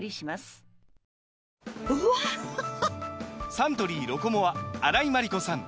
サントリー「ロコモア」荒井眞理子さん